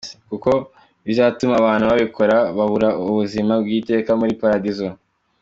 Kuko bizatuma abantu babikora babura ubuzima bw’iteka muli paradizo.